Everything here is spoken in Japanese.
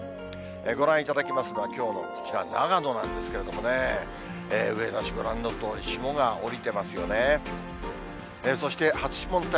ご覧いただきますのはきょうのこちら、長野なんですけれどもね、上田市、ご覧のとおり霜が降りてますよね。